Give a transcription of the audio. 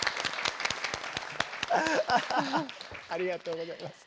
ありがとうございます。